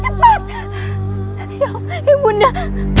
cepat ambilkan tanduk